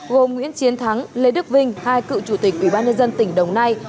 gồm nguyễn chiến thắng lê đức vinh hai cựu chủ tịch ủy ban nhân dân tỉnh đồng nai